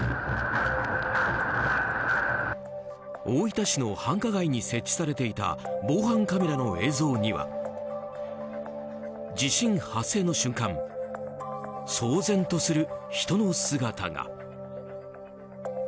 大分市の繁華街に設置されていた防犯カメラの映像には地震発生の瞬間騒然とする人の姿が。